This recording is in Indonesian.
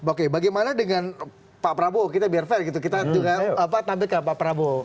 oke bagaimana dengan pak prabowo kita biar fair gitu kita juga tampil ke pak prabowo